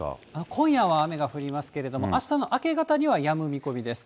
今夜は雨が降りますけれども、あしたの明け方にはやむ見込みです。